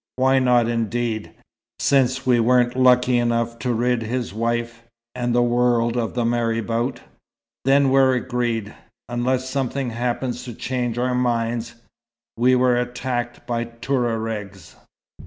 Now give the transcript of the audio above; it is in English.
"Why not indeed? Since we weren't lucky enough to rid his wife and the world of the marabout." "Then we're agreed: unless something happens to change our minds, we were attacked by Touaregs."